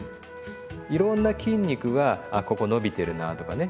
いろんな筋肉があここ伸びてるなとかね